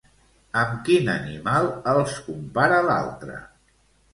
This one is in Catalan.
Amb quin animal els compara l'altre?